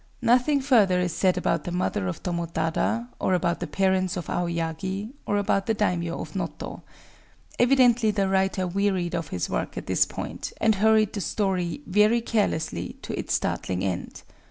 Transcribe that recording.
Nothing further is said about the mother of Tomotada, or about the parents of Aoyagi, or about the daimyō of Noto. Evidently the writer wearied of his work at this point, and hurried the story, very carelessly, to its startling end.